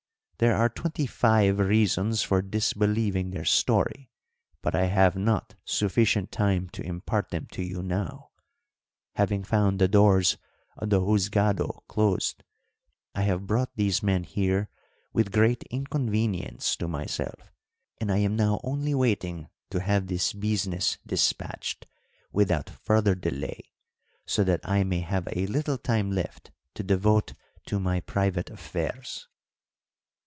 There are twenty five reasons for disbelieving their story, but I have not sufficient time to impart them to you now. Having found the doors of the Juzgado closed, I have brought these men here with great inconvenience to myself; and I am now only waiting to have this business despatched without further delay, so that I may have a little time left to devote to my private affairs."